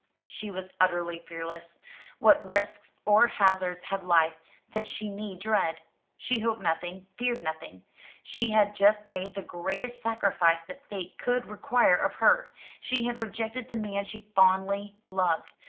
She was utterly fearless. What risks or hazards had life that she need dread? She hoped nothing feared nothing. She had just made the greatest sacrifice that fate could require of her: she had rejected the man she fondly loved.